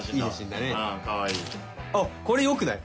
あっこれ良くない？